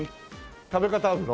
食べ方あるの？